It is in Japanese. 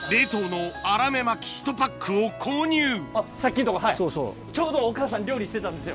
さっきんとこはいちょうどお母さん料理してたんですよ。